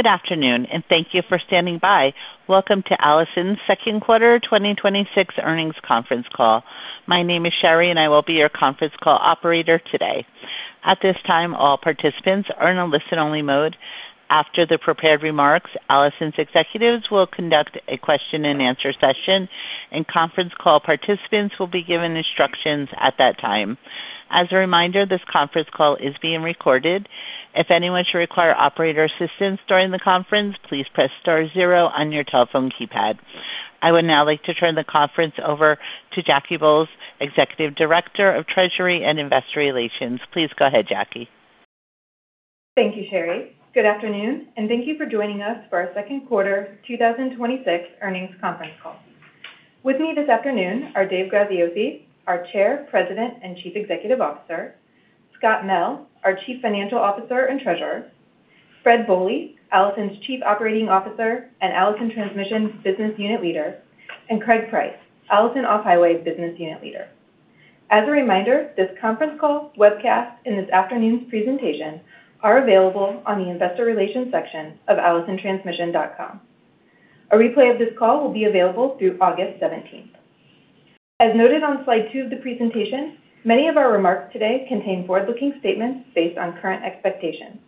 Good afternoon, and thank you for standing by. Welcome to Allison's second quarter 2026 earnings conference call. My name is Sherry, and I will be your conference call operator today. At this time, all participants are in a listen-only mode. After the prepared remarks, Allison's executives will conduct a question and answer session, and conference call participants will be given instructions at that time. As a reminder, this conference call is being recorded. If anyone should require operator assistance during the conference, please press star zero on your telephone keypad. I would now like to turn the conference over to Jacalyn Bolles, Executive Director of Treasury and Investor Relations. Please go ahead, Jacalyn. Thank you, Sherry. Good afternoon, and thank you for joining us for our second quarter 2026 earnings conference call. With me this afternoon are Dave Graziosi, our Chair, President, and Chief Executive Officer; Scott Mell, our Chief Financial Officer and Treasurer; Fred Bohley, Allison's Chief Operating Officer and Allison Transmission's Business Unit Leader; and Craig Price, Allison Off-Highway's Business Unit Leader. As a reminder, this conference call, webcast, and this afternoon's presentation are available on the investor relations section of allisontransmission.com. A replay of this call will be available through August 17th. As noted on slide two of the presentation, many of our remarks today contain forward-looking statements based on current expectations.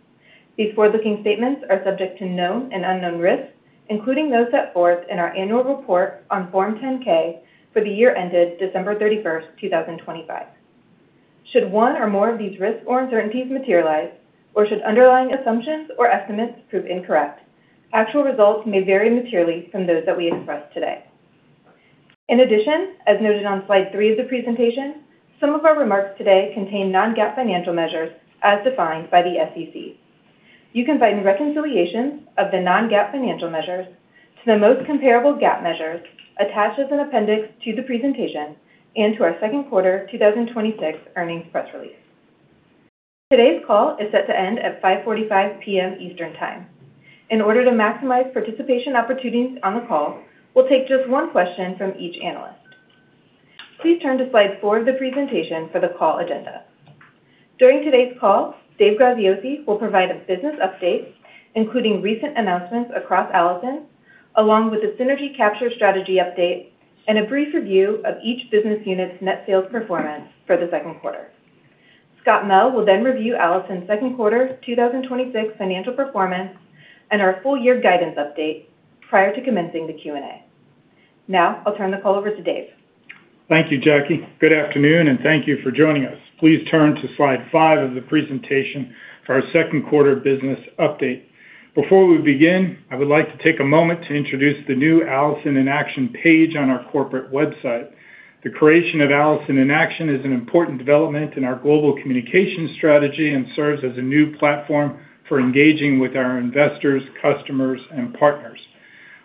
These forward-looking statements are subject to known and unknown risks, including those set forth in our annual report on Form 10-K for the year ended December 31st, 2025. Should one or more of these risks or uncertainties materialize, or should underlying assumptions or estimates prove incorrect, actual results may vary materially from those that we express today. In addition, as noted on slide three of the presentation, some of our remarks today contain Non-GAAP financial measures as defined by the SEC. You can find reconciliations of the Non-GAAP financial measures to the most comparable GAAP measures attached as an appendix to the presentation and to our second quarter 2026 earnings press release. Today's call is set to end at 5:45 P.M. Eastern Time. In order to maximize participation opportunities on the call, we'll take just one question from each analyst. Please turn to slide four of the presentation for the call agenda. During today's call, Dave Graziosi will provide a business update, including recent announcements across Allison, along with a synergy capture strategy update and a brief review of each business unit's net sales performance for the second quarter. Scott Mell will then review Allison's second quarter 2026 financial performance and our full year guidance update prior to commencing the question-and-answer. Now, I'll turn the call over to Dave. Thank you, Jacalyn Bolles. Good afternoon, and thank you for joining us. Please turn to slide five of the presentation for our second quarter business update. Before we begin, I would like to take a moment to introduce the new Allison in Action page on our corporate website. The creation of Allison in Action is an important development in our global communication strategy and serves as a new platform for engaging with our investors, customers, and partners.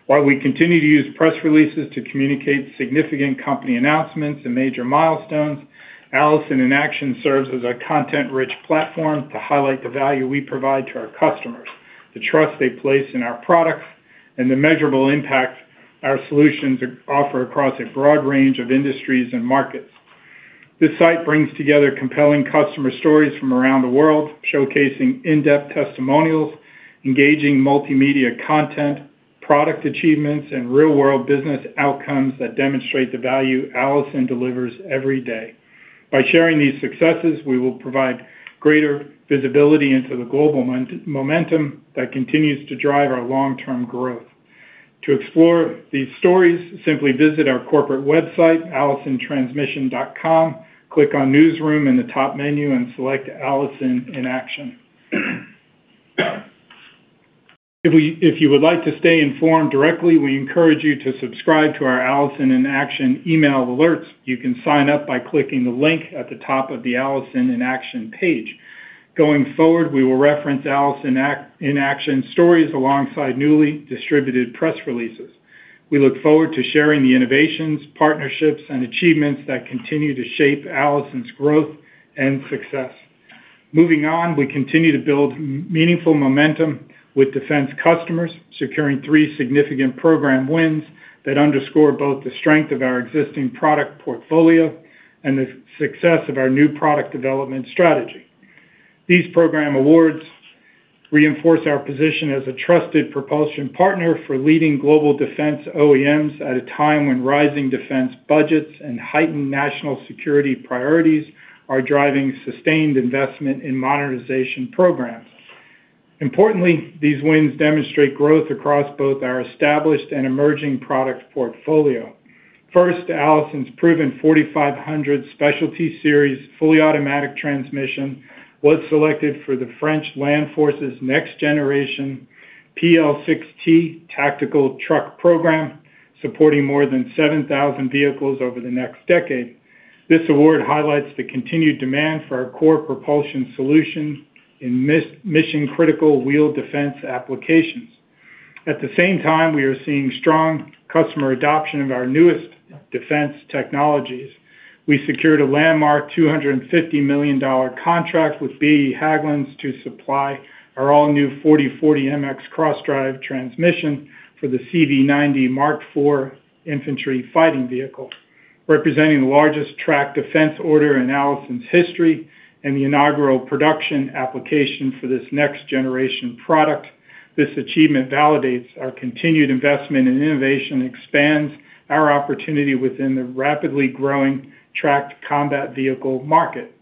While we continue to use press releases to communicate significant company announcements and major milestones, Allison in Action serves as a content-rich platform to highlight the value we provide to our customers, the trust they place in our products, and the measurable impact our solutions offer across a broad range of industries and markets. This site brings together compelling customer stories from around the world, showcasing in-depth testimonials, engaging multimedia content, product achievements, and real-world business outcomes that demonstrate the value Allison delivers every day. By sharing these successes, we will provide greater visibility into the global momentum that continues to drive our long-term growth. To explore these stories, simply visit our corporate website, allisontransmission.com, click on Newsroom in the top menu, and select Allison in Action. If you would like to stay informed directly, we encourage you to subscribe to our Allison in Action email alerts. You can sign up by clicking the link at the top of the Allison in Action page. Going forward, we will reference Allison in Action stories alongside newly distributed press releases. We look forward to sharing the innovations, partnerships, and achievements that continue to shape Allison's growth and success. Moving on, we continue to build meaningful momentum with defense customers, securing three significant program wins that underscore both the strength of our existing product portfolio and the success of our new product development strategy. These program awards reinforce our position as a trusted propulsion partner for leading global defense OEMs at a time when rising defense budgets and heightened national security priorities are driving sustained investment in modernization programs. Importantly, these wins demonstrate growth across both our established and emerging product portfolio. First, Allison's proven 4500 Specialty Series fully automatic transmission was selected for the French Land Forces' next generation PL6T tactical truck program, supporting more than 7,000 vehicles over the next decade. This award highlights the continued demand for our core propulsion solutions in mission-critical wheeled defense applications. At the same time, we are seeing strong customer adoption of our newest defense technologies. We secured a landmark $250 million contract with BAE Systems Hägglunds to supply our all-new 4040MX cross-drive transmission for the CV90 Mark 4 infantry fighting vehicle. Representing the largest tracked defense order in Allison's history and the inaugural production application for this next-generation product. This achievement validates our continued investment in innovation and expands our opportunity within the rapidly growing tracked combat vehicle market.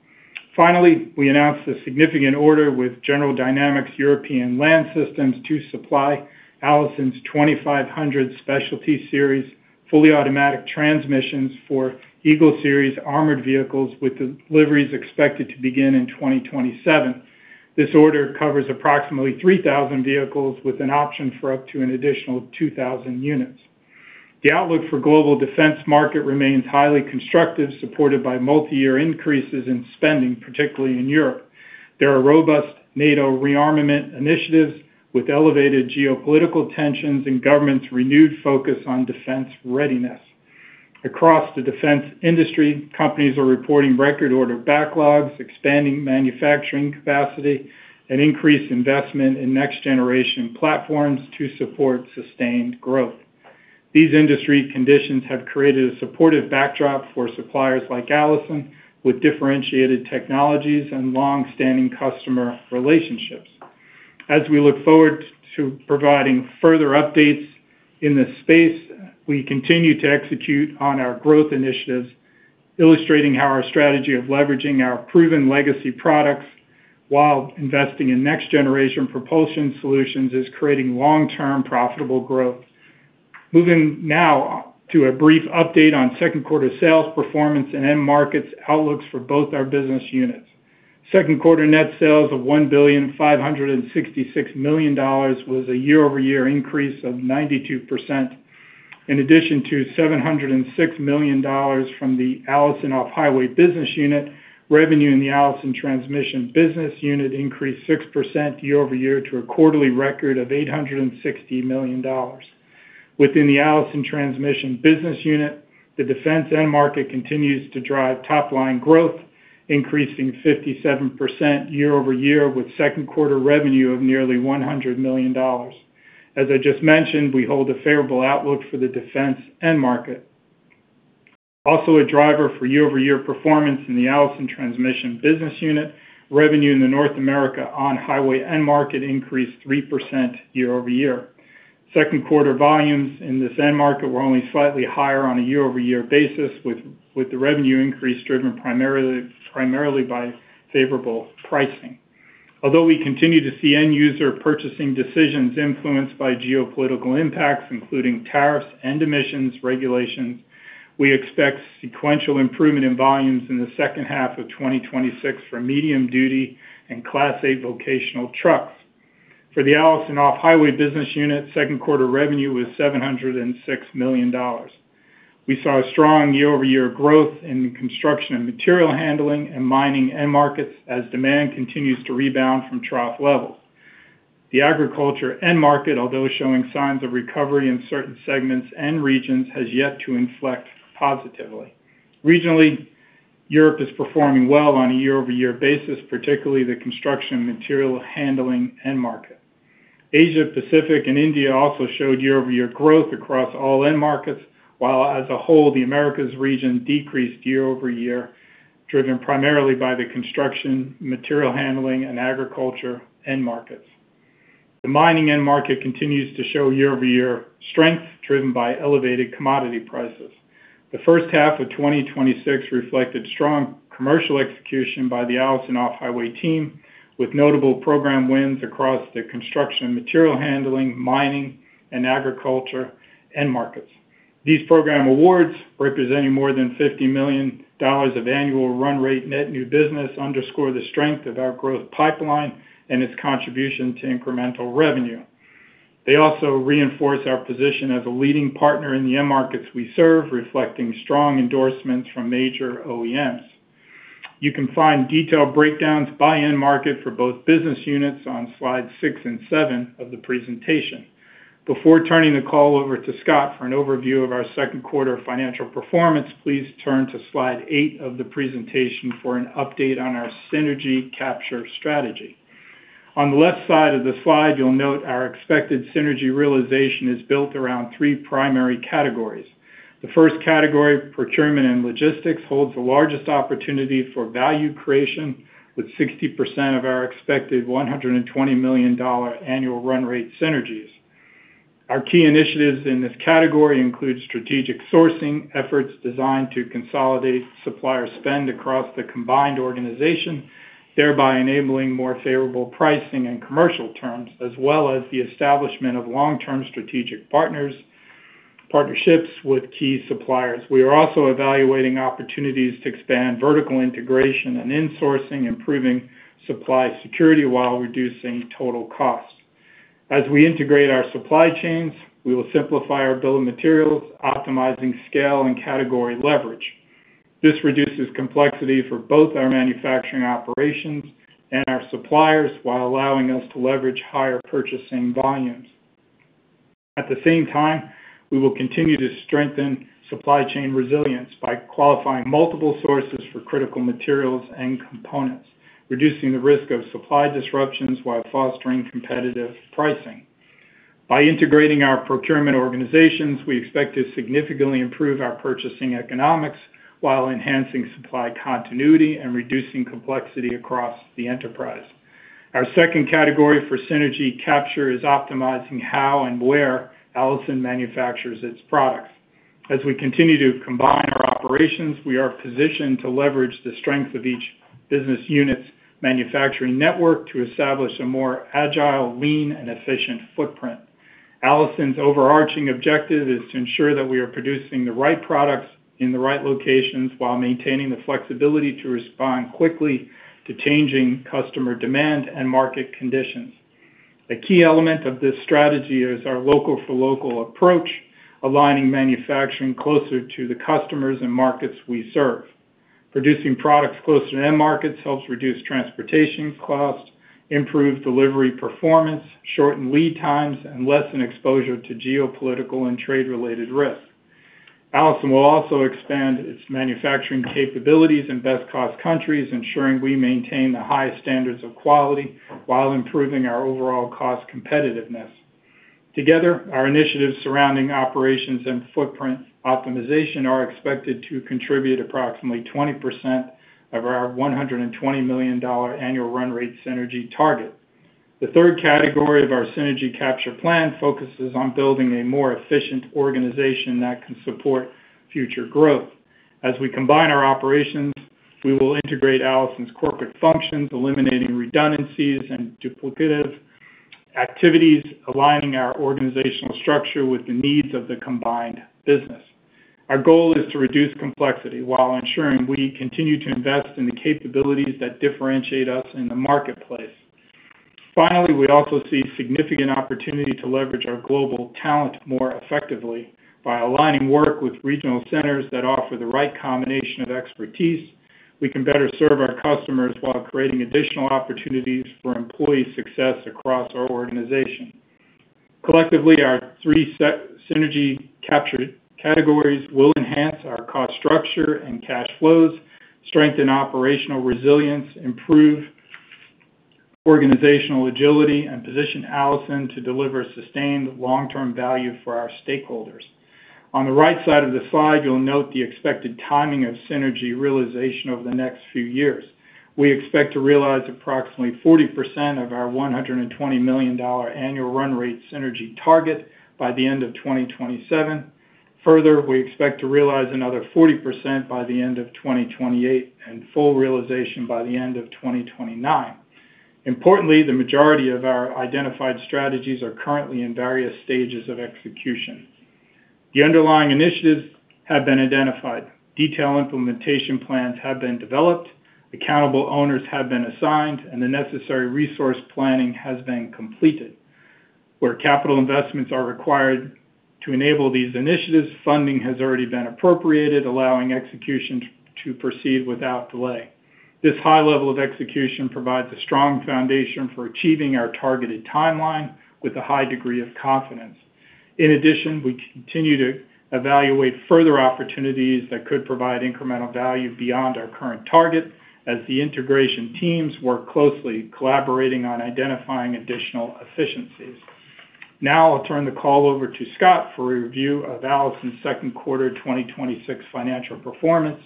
Finally, we announced a significant order with General Dynamics European Land Systems to supply Allison's 2500 Specialty Series fully automatic transmissions for EAGLE Series armored vehicles, with deliveries expected to begin in 2027. This order covers approximately 3,000 vehicles with an option for up to an additional 2,000 units. The outlook for global defense market remains highly constructive, supported by multi-year increases in spending, particularly in Europe. There are robust NATO rearmament initiatives with elevated geopolitical tensions and government's renewed focus on defense readiness. Across the defense industry, companies are reporting record order backlogs, expanding manufacturing capacity, and increased investment in next-generation platforms to support sustained growth. These industry conditions have created a supportive backdrop for suppliers like Allison with differentiated technologies and long-standing customer relationships. As we look forward to providing further updates in this space, we continue to execute on our growth initiatives, illustrating how our strategy of leveraging our proven legacy products while investing in next-generation propulsion solutions is creating long-term profitable growth. Moving now to a brief update on second quarter sales performance and end markets outlooks for both our business units. Second quarter net sales of $1.566 billion Was a year-over-year increase of 92%. In addition to $706 million from the Allison Off-Highway business unit, revenue in the Allison Transmission business unit increased 6% year-over-year to a quarterly record of $860 million. Within the Allison Transmission business unit, the defense end market continues to drive top-line growth, increasing 57% year-over-year with second quarter revenue of nearly $100 million. As I just mentioned, we hold a favorable outlook for the defense end market. Also a driver for year-over-year performance in the Allison Transmission business unit, revenue in the North America on-highway end market increased 3% year-over-year. Second quarter volumes in this end market were only slightly higher on a year-over-year basis with the revenue increase driven primarily by favorable pricing. Although we continue to see end user purchasing decisions influenced by geopolitical impacts, including tariffs and emissions regulations, we expect sequential improvement in volumes in the second half of 2026 for medium-duty and Class 8 vocational trucks. For the Allison Off-Highway business unit, second quarter revenue was $706 million. We saw strong year-over-year growth in the construction of material handling and mining end markets as demand continues to rebound from trough levels. The agriculture end market, although showing signs of recovery in certain segments and regions, has yet to inflect positively. Regionally, Europe is performing well on a year-over-year basis, particularly the construction material handling end market. Asia Pacific and India also showed year-over-year growth across all end markets, while as a whole, the Americas region decreased year-over-year, driven primarily by the construction, material handling, and agriculture end markets. The mining end market continues to show year-over-year strength, driven by elevated commodity prices. The first half of 2026 reflected strong commercial execution by the Allison Off-Highway team, with notable program wins across the construction, material handling, mining, and agriculture end markets. These program awards, representing more than $50 million of annual run rate net new business, underscore the strength of our growth pipeline and its contribution to incremental revenue. They also reinforce our position as a leading partner in the end markets we serve, reflecting strong endorsements from major OEMs. You can find detailed breakdowns by end market for both business units on slides six and seven of the presentation. Before turning the call over to Scott for an overview of our second quarter financial performance, please turn to slide eight of the presentation for an update on our synergy capture strategy. On the left side of the slide, you'll note our expected synergy realization is built around three primary categories. The first category, procurement and logistics, holds the largest opportunity for value creation with 60% of our expected $120 million annual run rate synergies. Our key initiatives in this category include strategic sourcing efforts designed to consolidate supplier spend across the combined organization, thereby enabling more favorable pricing and commercial terms, as well as the establishment of long-term strategic partnerships with key suppliers. We are also evaluating opportunities to expand vertical integration and insourcing, improving supply security while reducing total cost. As we integrate our supply chains, we will simplify our bill of materials, optimizing scale and category leverage. This reduces complexity for both our manufacturing operations and our suppliers while allowing us to leverage higher purchasing volumes. At the same time, we will continue to strengthen supply chain resilience by qualifying multiple sources for critical materials and components, reducing the risk of supply disruptions while fostering competitive pricing. By integrating our procurement organizations, we expect to significantly improve our purchasing economics while enhancing supply continuity and reducing complexity across the enterprise. Our second category for synergy capture is optimizing how and where Allison manufactures its products. As we continue to combine our operations, we are positioned to leverage the strength of each business unit's manufacturing network to establish a more agile, lean, and efficient footprint. Allison's overarching objective is to ensure that we are producing the right products in the right locations while maintaining the flexibility to respond quickly to changing customer demand and market conditions. A key element of this strategy is our local for local approach, aligning manufacturing closer to the customers and markets we serve. Producing products closer to end markets helps reduce transportation costs, improve delivery performance, shorten lead times, and lessen exposure to geopolitical and trade-related risks. Allison will also expand its manufacturing capabilities in best-cost countries, ensuring we maintain the highest standards of quality while improving our overall cost competitiveness. Together, our initiatives surrounding operations and footprint optimization are expected to contribute approximately 20% of our $120 million annual run rate synergy target. The third category of our synergy capture plan focuses on building a more efficient organization that can support future growth. As we combine our operations, we will integrate Allison's corporate functions, eliminating redundancies and duplicative activities, aligning our organizational structure with the needs of the combined business. Our goal is to reduce complexity while ensuring we continue to invest in the capabilities that differentiate us in the marketplace. We also see significant opportunity to leverage our global talent more effectively by aligning work with regional centers that offer the right combination of expertise. We can better serve our customers while creating additional opportunities for employee success across our organization. Collectively, our three synergy capture categories will enhance our cost structure and cash flows, strengthen operational resilience, improve organizational agility, and position Allison to deliver sustained long-term value for our stakeholders. On the right side of the slide, you'll note the expected timing of synergy realization over the next few years. We expect to realize approximately 40% of our $120 million annual run rate synergy target by the end of 2027. We expect to realize another 40% by the end of 2028, and full realization by the end of 2029. The majority of our identified strategies are currently in various stages of execution. The underlying initiatives have been identified, detailed implementation plans have been developed, accountable owners have been assigned, and the necessary resource planning has been completed. Where capital investments are required to enable these initiatives, funding has already been appropriated, allowing execution to proceed without delay. This high level of execution provides a strong foundation for achieving our targeted timeline with a high degree of confidence. In addition, we continue to evaluate further opportunities that could provide incremental value beyond our current target as the integration teams work closely, collaborating on identifying additional efficiencies. I'll turn the call over to Scott for a review of Allison's second quarter 2026 financial performance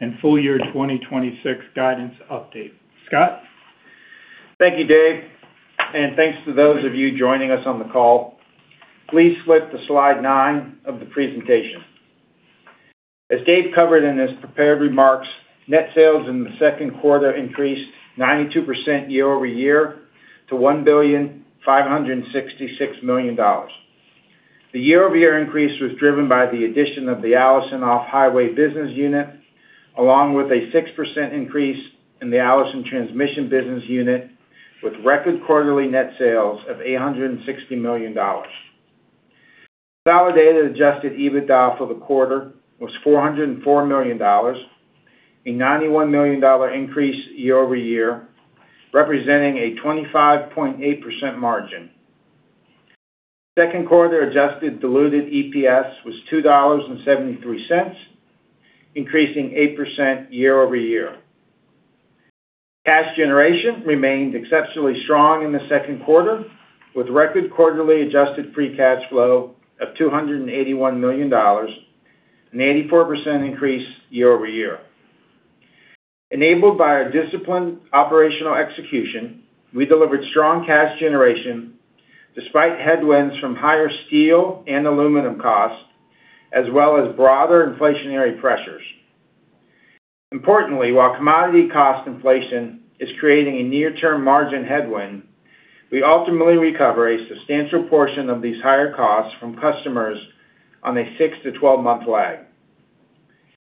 and full year 2026 guidance update. Scott? Thank you, Dave, and thanks to those of you joining us on the call. Please flip to slide nine of the presentation. As Dave covered in his prepared remarks, net sales in the second quarter increased 92% year-over-year to $1.566 billion. The year-over-year increase was driven by the addition of the Allison Off-Highway business unit, along with a 6% increase in the Allison Transmission business unit, with record quarterly net sales of $860 million. Validated adjusted EBITDA for the quarter was $404 million, a $91 million increase year-over-year, representing a 25.8% margin. Second quarter adjusted diluted EPS was $2.73, increasing 8% year-over-year. Cash generation remained exceptionally strong in the second quarter, with record quarterly adjusted free cash flow of $281 million, an 84% increase year-over-year. Enabled by our disciplined operational execution, we delivered strong cash generation despite headwinds from higher steel and aluminum costs, as well as broader inflationary pressures. Importantly, while commodity cost inflation is creating a near-term margin headwind, we ultimately recover a substantial portion of these higher costs from customers on a six-month to 12-month lag.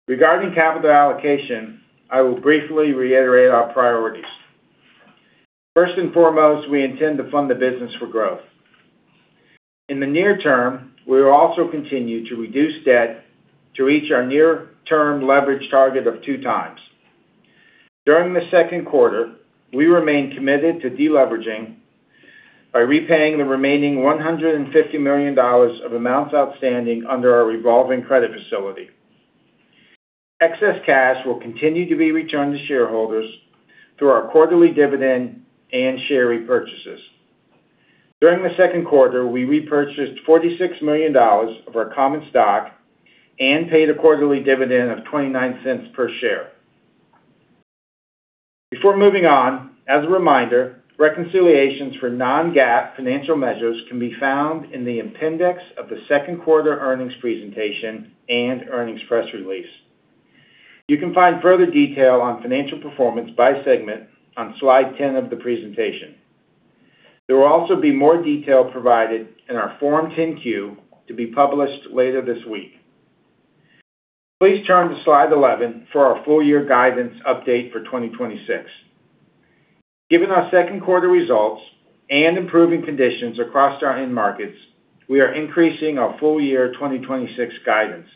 Regarding capital allocation, I will briefly reiterate our priorities. First and foremost, we intend to fund the business for growth. In the near term, we will also continue to reduce debt to reach our near-term leverage target of 2x. During the second quarter, we remained committed to deleveraging by repaying the remaining $150 million of amounts outstanding under our revolving credit facility. Excess cash will continue to be returned to shareholders through our quarterly dividend and share repurchases. During the second quarter, we repurchased $46 million of our common stock and paid a quarterly dividend of $0.29 per share. Before moving on, as a reminder, reconciliations for Non-GAAP financial measures can be found in the appendix of the second quarter earnings presentation and earnings press release. You can find further detail on financial performance by segment on slide 10 of the presentation. There will also be more detail provided in our Form 10-Q to be published later this week. Please turn to slide 11 for our full year guidance update for 2026. Given our second quarter results and improving conditions across our end markets, we are increasing our full year 2026 guidance.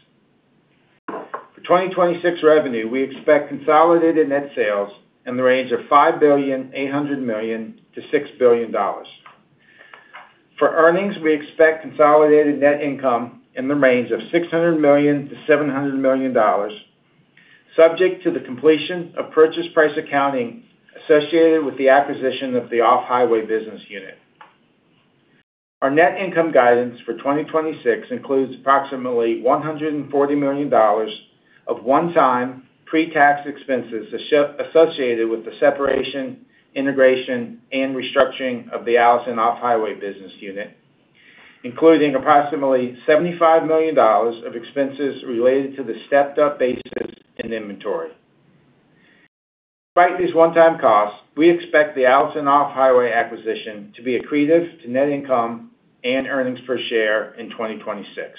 For 2026 revenue, we expect Consolidated net sales in the range of $5.8 billion-$6 billion. For earnings, we expect Consolidated net income in the range of $600 million-$700 million, subject to the completion of purchase price accounting associated with the acquisition of the Off-Highway business unit. Our net income guidance for 2026 includes approximately $140 million of one-time pre-tax expenses associated with the separation, integration, and restructuring of the Allison Off-Highway business unit, including approximately $75 million of expenses related to the stepped-up basis in inventory. Despite these one-time costs, we expect the Allison Off-Highway acquisition to be accretive to net income and earnings per share in 2026.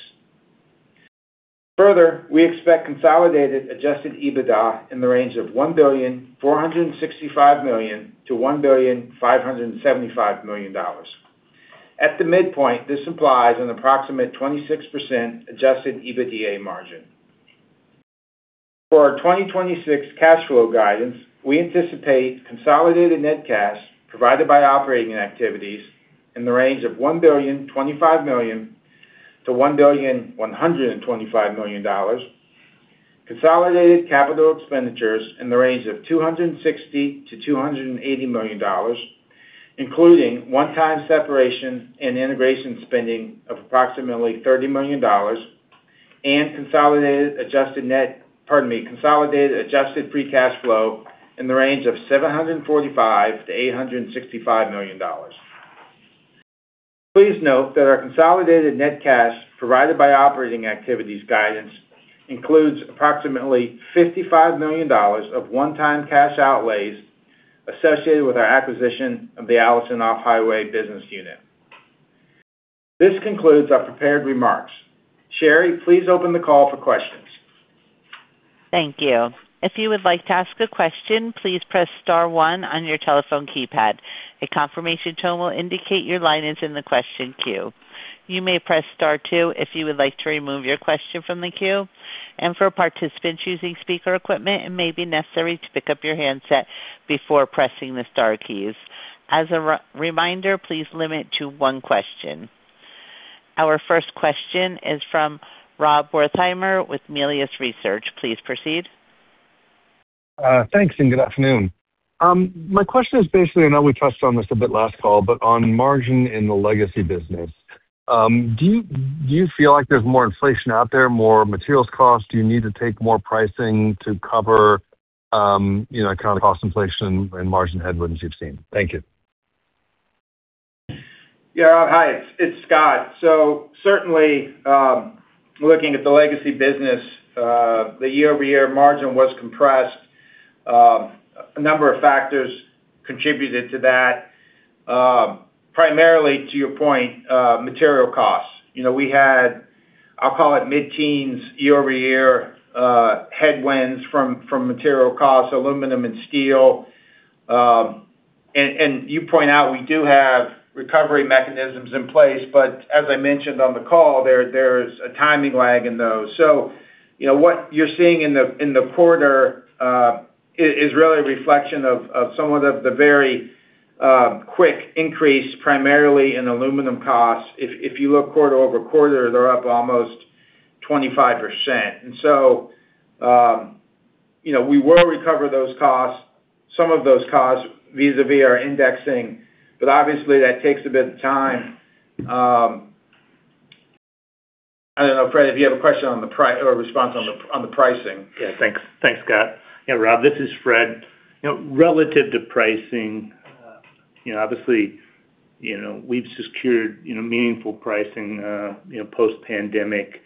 Further, we expect Consolidated adjusted EBITDA in the range of $1.465 billion-$1.575 billion. At the midpoint, this implies an approximate 26% adjusted EBITDA margin. For our 2026 cash flow guidance, we anticipate Consolidated net cash provided by operating activities in the range of $1.025 billion-$1.125 billion, Consolidated capital expenditures in the range of $260 million-$280 million, including one-time separation and integration spending of approximately $30 million, and Consolidated adjusted free cash flow in the range of $745 million-$865 million. Please note that our Consolidated net cash provided by operating activities guidance includes approximately $55 million of one-time cash outlays associated with our acquisition of the Allison Off-Highway business unit. This concludes our prepared remarks. Sherry, please open the call for questions. Thank you. If you would like to ask a question, please press star 1 on your telephone keypad. A confirmation tone will indicate your line is in the question queue. You may press star two if you would like to remove your question from the queue. For participants using speaker equipment, it may be necessary to pick up your handset before pressing the star keys. As a reminder, please limit to one question. Our first question is from Rob Wertheimer with Melius Research. Please proceed. Thanks. Good afternoon. My question is basically, I know we touched on this a bit last call. On margin in the legacy business, do you feel like there's more inflation out there, more materials cost? Do you need to take more pricing to cover cost inflation and margin headwinds you've seen? Thank you. Rob. Hi, it's Scott. Certainly, looking at the legacy business, the year-over-year margin was compressed. A number of factors contributed to that. Primarily to your point, material costs. We had, I'll call it mid-teens year-over-year headwinds from material costs, aluminum and steel. You point out we do have recovery mechanisms in place. But as I mentioned on the call, there's a timing lag in those. What you're seeing in the quarter is really a reflection of some of the very quick increase, primarily in aluminum costs. If you look quarter-over-quarter, they're up almost 25%. We will recover those costs, some of those costs, vis-a-vis our indexing. But obviously, that takes a bit of time. I don't know, Fred, if you have a response on the pricing. Thanks, Scott. Rob, this is Fred. Relative to pricing, obviously we've secured meaningful pricing post-pandemic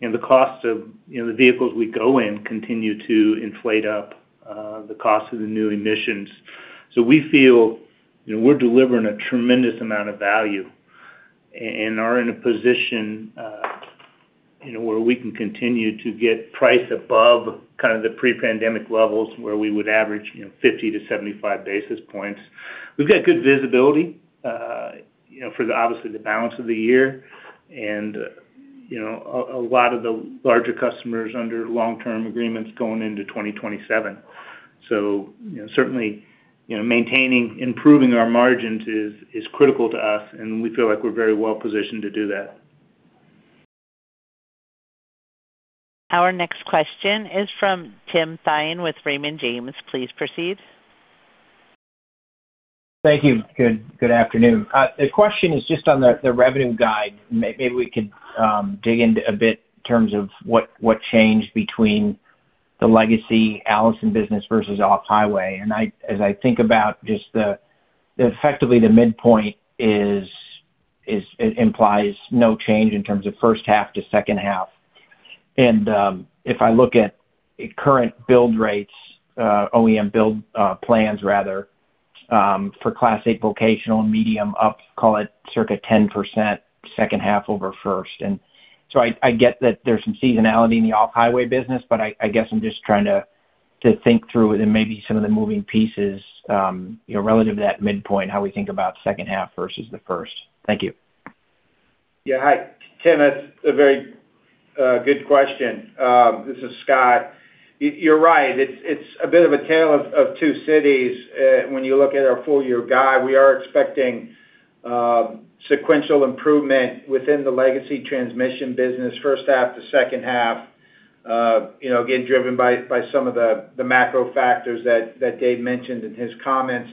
and the cost of the vehicles we go in continue to inflate up the cost of the new emissions. We feel we're delivering a tremendous amount of value and are in a position where we can continue to get price above the pre-pandemic levels where we would average 50 basis points-75 basis points. We've got good visibility for obviously the balance of the year and a lot of the larger customers under long-term agreements going into 2027. Certainly, maintaining, improving our margins is critical to us, and we feel like we're very well-positioned to do that. Our next question is from Tim Thein with Raymond James. Please proceed. Thank you. Good afternoon. The question is just on the revenue guide. Maybe we could dig in a bit in terms of what changed between the legacy Allison business versus off-highway. As I think about just effectively the midpoint implies no change in terms of first half to second half. If I look at current build rates, OEM build plans rather, for Class 8 vocational and medium up, call it circa 10% second half over first. I get that there's some seasonality in the off-highway business, but I guess I'm just trying to think through it and maybe some of the moving pieces, relative to that midpoint, how we think about second half versus the first. Thank you. Yeah. Hi, Tim. That's a very good question. This is Scott. You're right. It's a bit of a tale of two cities when you look at our full-year guide. We are expecting sequential improvement within the legacy transmission business, first half to second half, again, driven by some of the macro factors that Dave mentioned in his comments.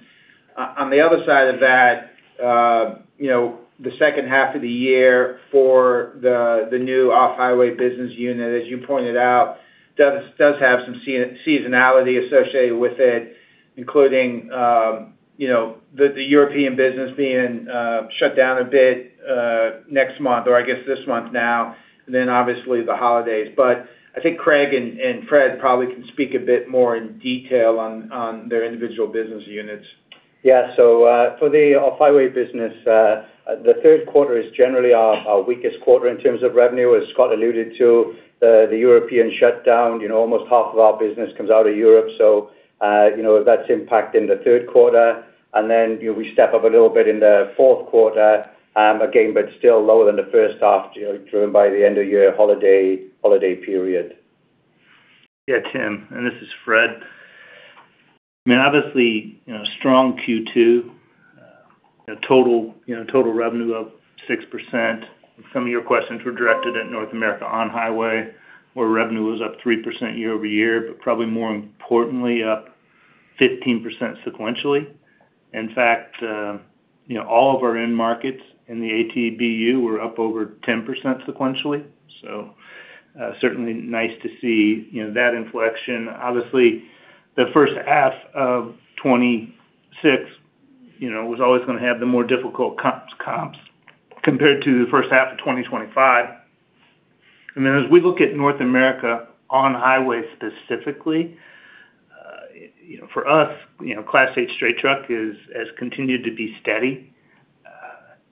On the other side of that, the second half of the year for the new off-highway business unit, as you pointed out, does have some seasonality associated with it, including the European business being shut down a bit next month or I guess this month now, and then obviously the holidays. I think Craig and Fred probably can speak a bit more in detail on their individual business units. Yeah. For the off-highway business, the third quarter is generally our weakest quarter in terms of revenue. As Scott alluded to, the European shutdown, almost half of our business comes out of Europe, so that's impacting the third quarter. We step up a little bit in the fourth quarter, again, but still lower than the first half, driven by the end of year holiday period. Yeah, Tim, this is Fred. I mean, obviously, strong Q2. Total revenue up 6%. Some of your questions were directed at North America on-highway, where revenue was up 3% year-over-year, but probably more importantly, up 15% sequentially. In fact, all of our end markets in the ATBU were up over 10% sequentially. Certainly nice to see that inflection. Obviously, the first half of 2026 was always going to have the more difficult comps compared to the first half of 2025. As we look at North America on-highway specifically, for us, Class 8 straight truck has continued to be steady.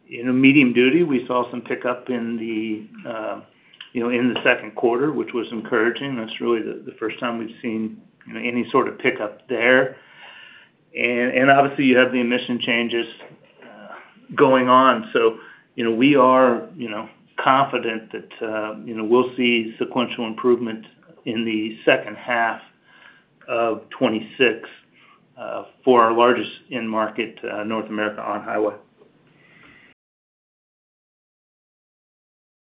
In the medium duty, we saw some pickup in the second quarter, which was encouraging. That's really the first time we've seen any sort of pickup there. Obviously, you have the emission changes going on. We are confident that we'll see sequential improvement in the second half of 2026 for our largest end market, North America on-highway.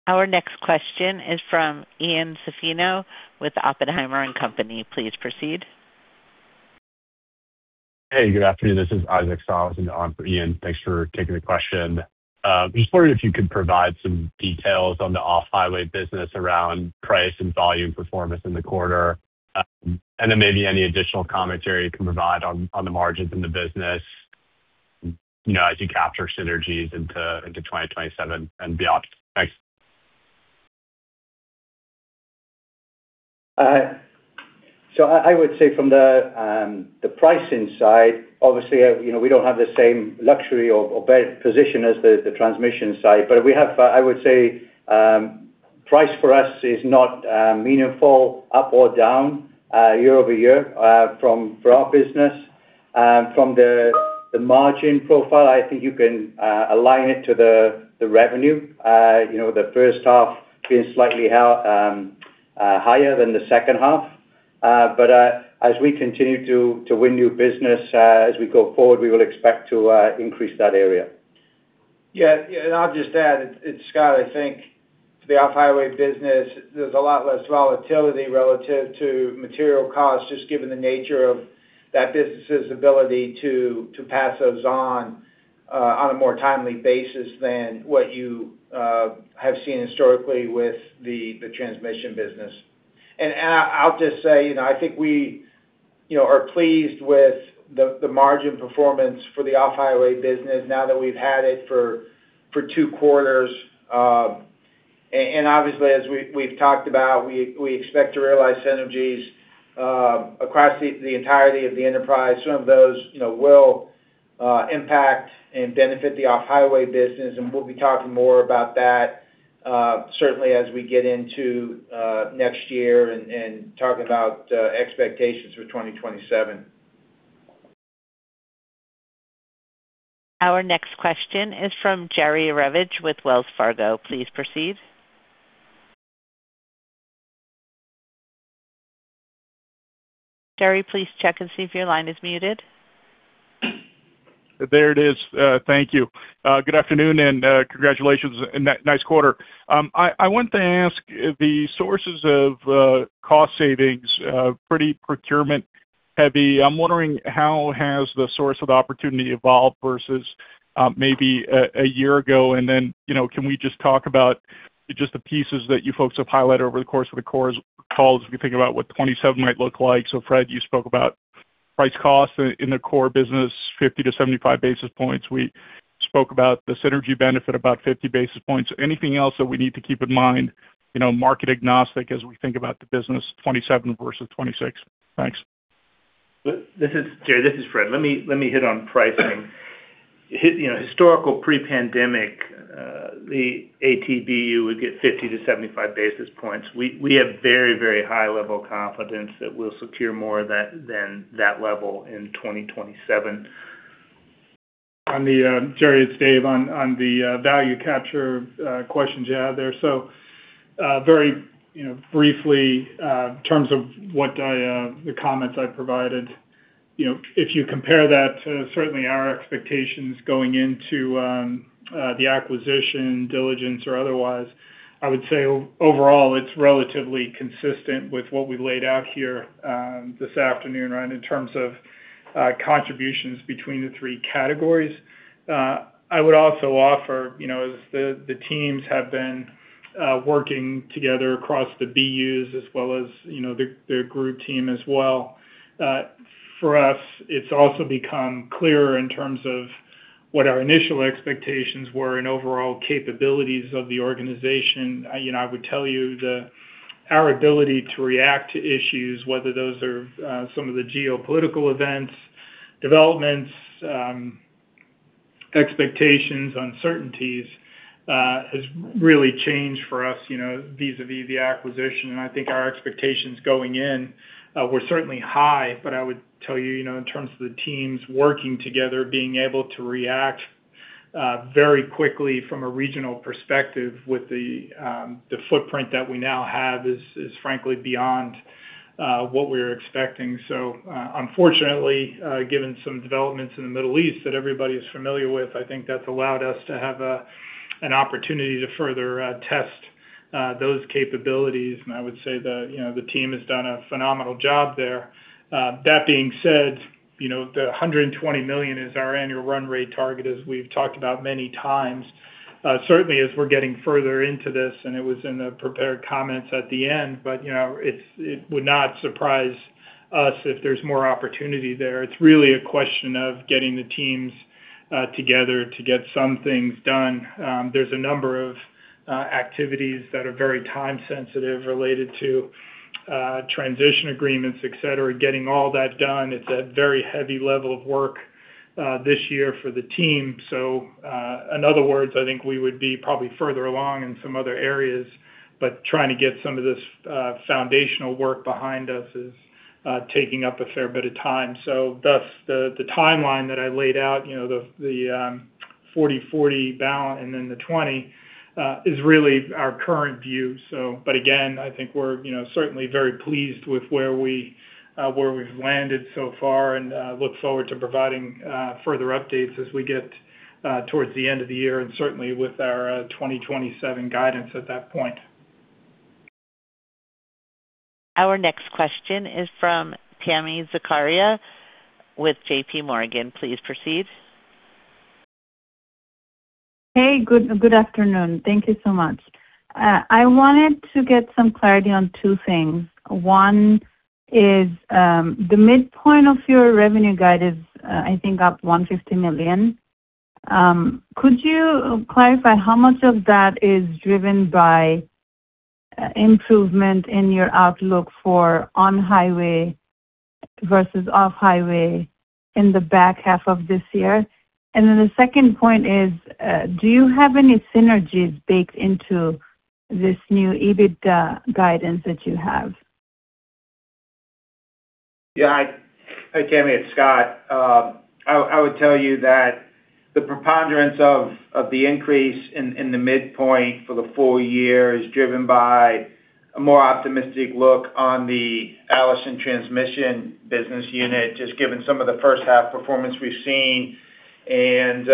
Our next question is from Ian Zaffino with Oppenheimer. Please proceed. Hey, good afternoon. This is Isaac Solomon on for Ian. Thanks for taking the question. Just wondering if you could provide some details on the Off-Highway business around price and volume performance in the quarter. Then maybe any additional commentary you can provide on the margins in the business as you capture synergies into 2027 and beyond. Thanks. I would say from the pricing side, obviously, we don't have the same luxury or position as the transmission side. I would say price for us is not meaningful up or down year-over-year for our business. From the margin profile, I think you can align it to the revenue. The first half being slightly higher than the second half. As we continue to win new business as we go forward, we will expect to increase that area. I'll just add, it's Scott. I think for the off-highway business, there's a lot less volatility relative to material costs, just given the nature of that business's ability to pass those on on a more timely basis than what you have seen historically with the transmission business. I'll just say, I think we are pleased with the margin performance for the off-highway business now that we've had it for two quarters. Obviously, as we've talked about, we expect to realize synergies across the entirety of the enterprise. Some of those will impact and benefit the off-highway business, and we'll be talking more about that certainly as we get into next year and talk about expectations for 2027. Our next question is from Jerry Revich with Wells Fargo. Please proceed. Jerry, please check and see if your line is muted. There it is. Thank you. Good afternoon, congratulations on that nice quarter. I want to ask the sources of cost savings, pretty procurement heavy. I'm wondering how has the source of the opportunity evolved versus maybe a year ago? Then can we just talk about just the pieces that you folks have highlighted over the course of the core calls, if you think about what 2027 might look like. Fred, you spoke about price cost in the core business, 50 basis points-75 basis points. We spoke about the synergy benefit about 50 basis points. Anything else that we need to keep in mind, market agnostic as we think about the business 2027 versus 2026? Thanks. Jerry, this is Fred. Let me hit on pricing. Historical pre-pandemic, the ATBU would get 50 basis points-75 basis points. We have very high-level confidence that we'll secure more than that level in 2027. Jerry, it's David, on the value capture questions you had there. Very briefly, in terms of the comments I provided, if you compare that to certainly our expectations going into the acquisition diligence or otherwise, I would say overall, it's relatively consistent with what we've laid out here this afternoon in terms of contributions between the three categories. I would also offer, as the teams have been working together across the BUs as well as their group team as well. For us, it's also become clearer in terms of what our initial expectations were and overall capabilities of the organization. I would tell you that our ability to react to issues, whether those are some of the geopolitical events, developments, expectations, uncertainties has really changed for us vis-a-vis the acquisition. I think our expectations going in were certainly high. I would tell you in terms of the teams working together, being able to react very quickly from a regional perspective with the footprint that we now have is frankly beyond what we were expecting. Unfortunately, given some developments in the Middle East that everybody is familiar with, I think that's allowed us to have an opportunity to further test those capabilities. I would say the team has done a phenomenal job there. That being said, the $120 million is our annual run rate target, as we've talked about many times. Certainly, as we're getting further into this, and it was in the prepared comments at the end, it would not surprise us if there's more opportunity there. It's really a question of getting the teams together to get some things done. There's a number of activities that are very time sensitive related to transition agreements, et cetera, getting all that done. It's a very heavy level of work this year for the team. In other words, I think we would be probably further along in some other areas, trying to get some of this foundational work behind us is taking up a fair bit of time. Thus, the timeline that I laid out, the 40/40 balance and then the 20%, is really our current view. Again, I think we're certainly very pleased with where we've landed so far and look forward to providing further updates as we get towards the end of the year and certainly with our 2027 guidance at that point. Our next question is from Tami Zakaria with JPMorgan. Please proceed. Hey, good afternoon. Thank you so much. I wanted to get some clarity on two things. One is the midpoint of your revenue guide is I think up $150 million. Could you clarify how much of that is driven by improvement in your outlook for on-highway versus off-highway in the back half of this year? The second point is, do you have any synergies baked into this new EBITDA guidance that you have? Yeah. Hi, Tami. It's Scott. I would tell you that the preponderance of the increase in the midpoint for the full year is driven by a more optimistic look on the Allison Transmission business unit, just given some of the first half performance we've seen and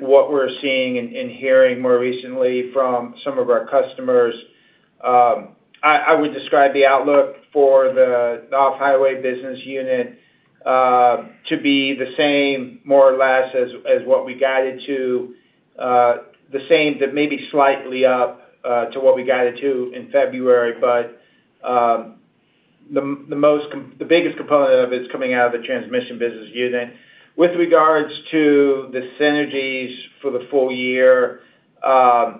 what we're seeing and hearing more recently from some of our customers. I would describe the outlook for the off-highway business unit to be the same, more or less as what we guided to, the same, but maybe slightly up to what we guided to in February. The biggest component of it is coming out of the transmission business unit. With regards to the synergies for the full year, the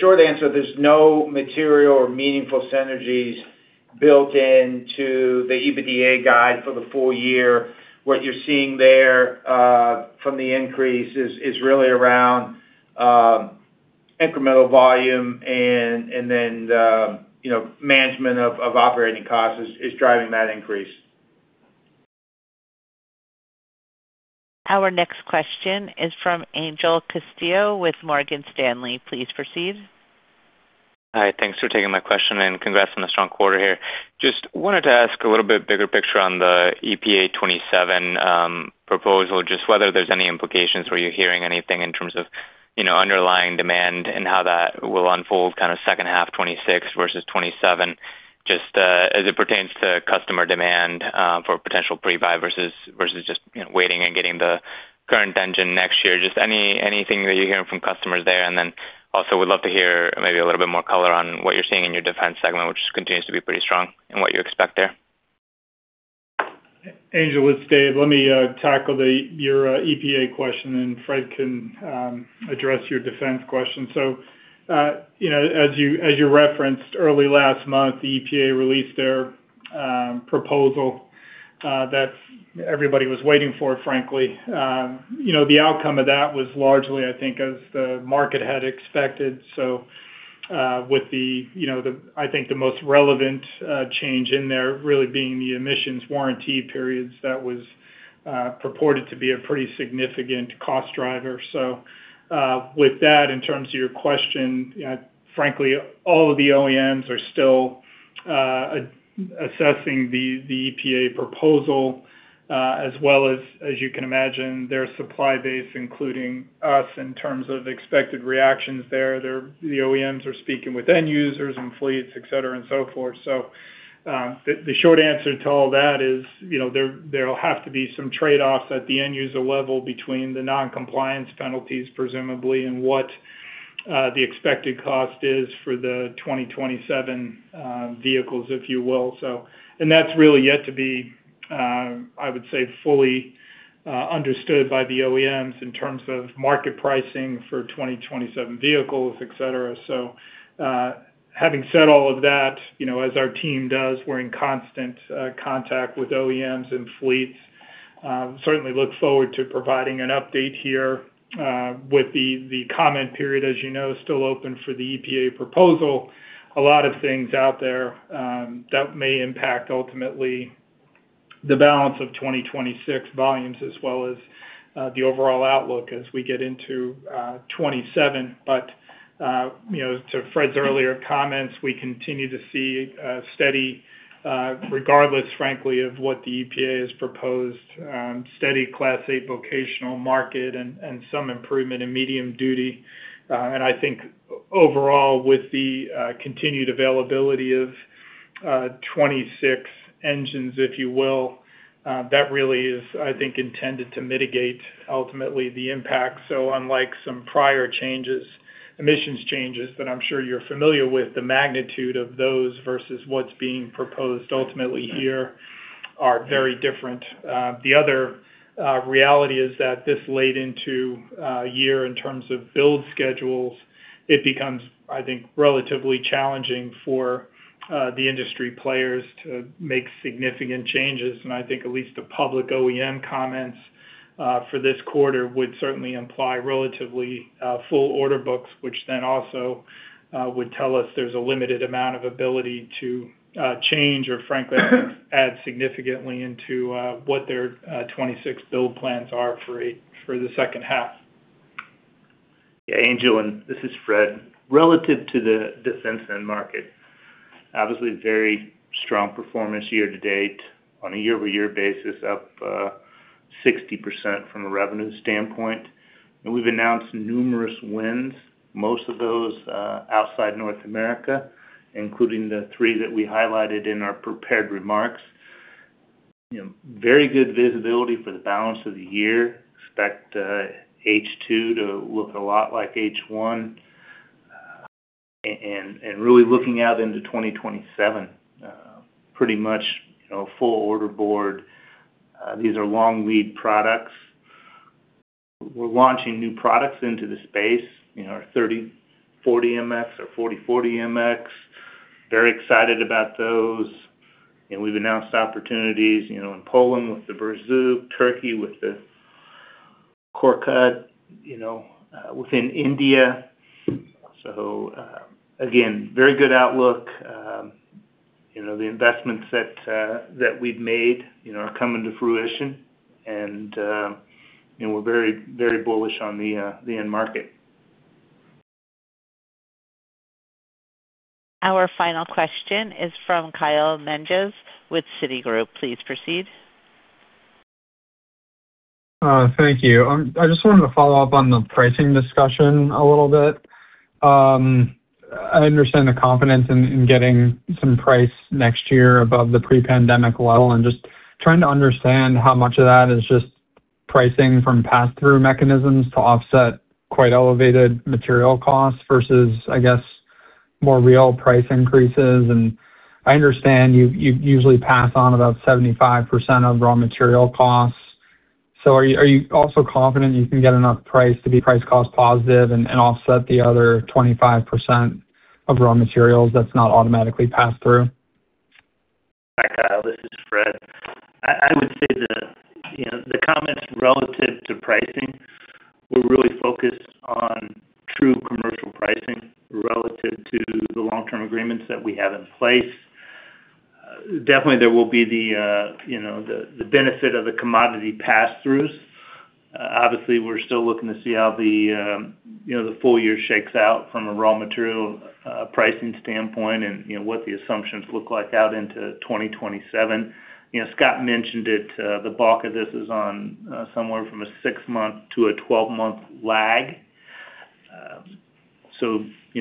short answer, there's no material or meaningful synergies built into the EBITDA guide for the full year. What you're seeing there from the increase is really around Incremental volume and then the management of operating costs is driving that increase. Our next question is from Angel Castillo with Morgan Stanley. Please proceed. Hi, thanks for taking my question, and congrats on the strong quarter here. I just wanted to ask a little bit bigger picture on the EPA 2027 proposal, whether there's any implications, were you hearing anything in terms of underlying demand and how that will unfold kind of second half 2026 versus 2027, as it pertains to customer demand for potential pre-buy versus just waiting and getting the current engine next year? Anything that you're hearing from customers there, and then also would love to hear maybe a little bit more color on what you're seeing in your defense segment, which continues to be pretty strong, and what you expect there. Angel, it's Dave. Let me tackle your EPA question, and Fred can address your defense question. As you referenced, early last month, the EPA released their proposal that everybody was waiting for, frankly. The outcome of that was largely, I think, as the market had expected. With, I think, the most relevant change in there really being the emissions warranty periods, that was purported to be a pretty significant cost driver. With that, in terms of your question, frankly, all of the OEMs are still assessing the EPA proposal as well as, you can imagine, their supply base, including us, in terms of expected reactions there. The OEMs are speaking with end users and fleets, et cetera and so forth. The short answer to all that is there'll have to be some trade-offs at the end user level between the non-compliance penalties, presumably, and what the expected cost is for the 2027 vehicles, if you will. That's really yet to be, I would say, fully understood by the OEMs in terms of market pricing for 2027 vehicles, et cetera. Having said all of that, as our team does, we're in constant contact with OEMs and fleets. Certainly look forward to providing an update here. With the comment period, as you know, still open for the EPA proposal, a lot of things out there that may impact, ultimately, the balance of 2026 volumes as well as the overall outlook as we get into 2027. To Fred's earlier comments, we continue to see, regardless, frankly, of what the EPA has proposed, steady Class 8 vocational market and some improvement in medium duty. I think overall, with the continued availability of 2026 engines, if you will, that really is, I think, intended to mitigate, ultimately, the impact. Unlike some prior emissions changes that I'm sure you're familiar with, the magnitude of those versus what's being proposed ultimately here are very different. The other reality is that this late into a year in terms of build schedules, it becomes, I think, relatively challenging for the industry players to make significant changes. I think at least the public OEM comments for this quarter would certainly imply relatively full order books, which also would tell us there's a limited amount of ability to change or frankly add significantly into what their 2026 build plans are for the second half. Angel, this is Fred. Relative to the defense end market, obviously very strong performance year to date. On a year-over-year basis up 60% from a revenue standpoint. We've announced numerous wins, most of those outside North America, including the three that we highlighted in our prepared remarks. Very good visibility for the balance of the year. Expect H2 to look a lot like H1. Really looking out into 2027, pretty much a full order board. These are long lead products. We're launching new products into the space, our 3040MX, our 4040MX. Very excited about those. We've announced opportunities in Poland with the Borsuk, Turkey with the Korkut, within India. Again, very good outlook. The investments that we've made are coming to fruition and we're very bullish on the end market. Our final question is from Kyle Menges with Citi. Please proceed. Thank you. I just wanted to follow up on the pricing discussion a little bit. I understand the confidence in getting some price next year above the pre-pandemic level, just trying to understand how much of that is just pricing from pass-through mechanisms to offset quite elevated material costs versus, I guess, more real price increases. I understand you usually pass on about 75% of raw material costs. Are you also confident you can get enough price to be price cost positive and offset the other 25% of raw materials that's not automatically passed through? Hi, Kyle. This is Fred. I would say the comments relative to pricing were really focused on true commercial pricing relative to the long-term agreements that we have in place. There will be the benefit of the commodity pass-throughs. We're still looking to see how the full year shakes out from a raw material pricing standpoint and what the assumptions look like out into 2027. Scott mentioned it, the bulk of this is on somewhere from a six-month to a 12-month lag.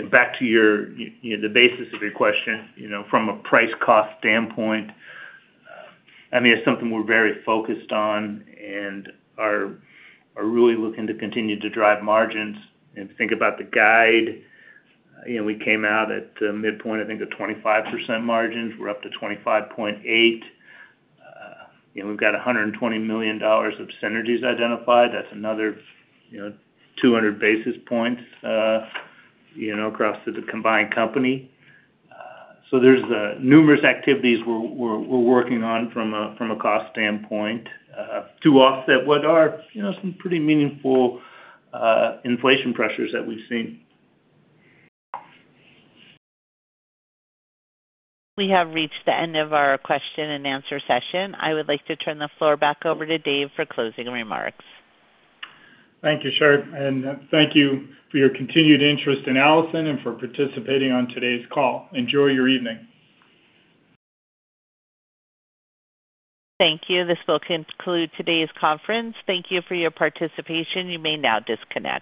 Back to the basis of your question, from a price cost standpoint, it's something we're very focused on and are really looking to continue to drive margins and think about the guide. We came out at the midpoint, I think, of 25% margins. We're up to 25.8%. We've got $120 million of synergies identified. That's another 200 basis points across the combined company. There's numerous activities we're working on from a cost standpoint to offset what are some pretty meaningful inflation pressures that we've seen. We have reached the end of our question and answer session. I would like to turn the floor back over to Dave for closing remarks. Thank you, Sharon. Thank you for your continued interest in Allison and for participating on today's call. Enjoy your evening. Thank you. This will conclude today's conference. Thank you for your participation. You may now disconnect.